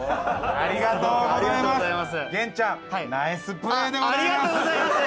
ありがとうございます。